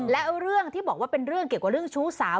แล้วเรื่องที่บอกว่าเป็นเรื่องเกี่ยวกับเรื่องชู้สาว